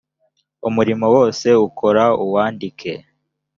umurimo wose ukora uwandike